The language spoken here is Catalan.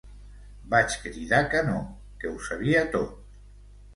Vaig cridar que no, que ho sabia tot.